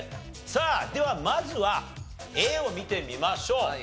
さあではまずはＡを見てみましょう。